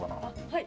はい。